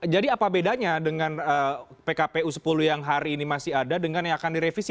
jadi apa bedanya dengan pkpu sepuluh yang hari ini masih ada dengan yang akan direvisi